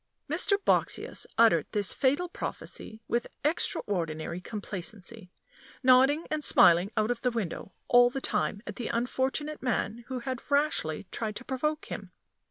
Mr. Boxsious uttered this fatal prophecy with extraordinary complacency, nodding and smiling out of the window all the time at the unfortunate man who had rashly tried to provoke him.